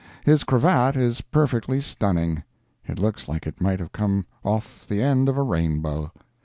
His cravat is perfectly stunning; it looks like it might have come off the end of a rainbow.